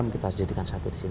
kita harus jadikan satu disini